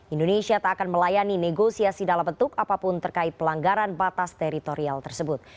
indonesia tak akan melayani negosiasi dalam bentuk apapun terkait pelanggaran batas teritorial tersebut